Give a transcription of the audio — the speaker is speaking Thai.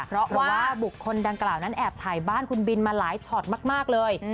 เพราะว่าบุคคลดังกล่าวนั้นแอบถ่ายบ้านคุณบินมาหลายช็อตมากเลย